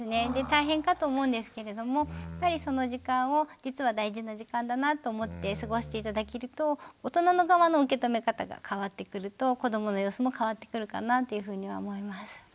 大変かと思うんですけれどもやっぱりその時間を実は大事な時間だなと思って過ごして頂けると大人の側の受け止め方が変わってくると子どもの様子も変わってくるかなというふうには思います。